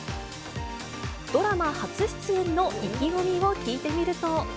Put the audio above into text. ドラマ初出演の意気込みを聞いてみると。